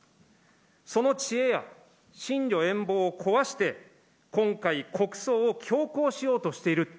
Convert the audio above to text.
その知恵や深慮遠謀を壊して、今回、国葬を強行しようとしている。